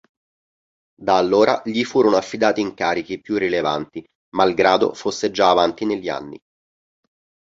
Da allora gli furono affidati incarichi più rilevanti malgrado fosse già avanti negli anni.